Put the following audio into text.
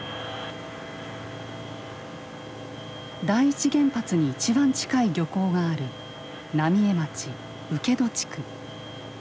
第一原発に一番近い漁港がある浪江町請戸地区。